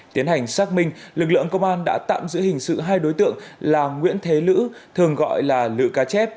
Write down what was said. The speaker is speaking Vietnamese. tiến hành xác minh lực lượng công an đã tạm giữ hình sự hai đối tượng là nguyễn thế lữ thường gọi là lự cá chép